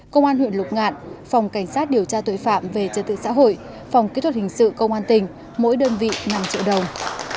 công an huyện lục ngạn phòng cảnh sát điều tra tội phạm về trật tự xã hội phòng kỹ thuật hình sự công an tỉnh mỗi đơn vị năm triệu đồng